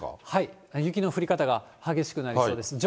はい、雪の降り方が激しくなる予想です。